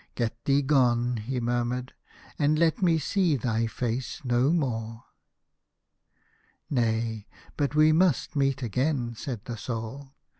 "Get thee gone," he murmured, "and let me see thy face no more." " Nay, but we must meet again," said the Soul.